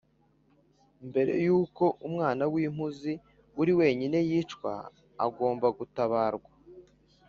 Mbere y uko umwana w impuzi uri wenyine yicwa agomba gutabarwa